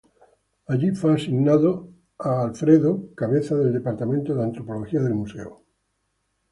Allí fue asignado a Alfredo E. Evangelista, cabeza del departamento de antropología del museo.